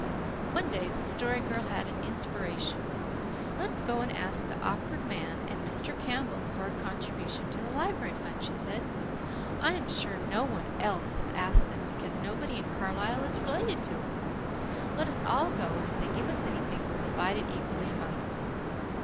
One day the Story Girl had an inspiration. "Let us go and ask the Awkward Man and Mr. Campbell for a contribution to the library fund," she said. "I am sure no one else has asked them, because nobody in Carlisle is related to them. Let us all go, and if they give us anything we'll divide it equally among us."